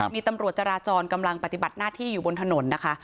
มีตำรวจจราจรกำลังปฏิบัติหน้าที่อยู่บนถนนนะคะ